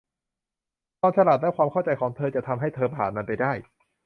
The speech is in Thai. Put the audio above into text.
ความฉลาด และความเข้าใจของเธอจะทำให้เธอผ่านมันไปได้